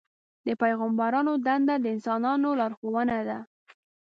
د پیغمبرانو دنده د انسانانو لارښوونه ده.